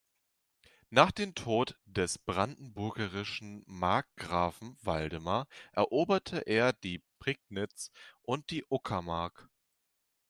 Nach dem Tod des brandenburgischen Markgrafen Waldemar eroberte er die Prignitz und die Uckermark.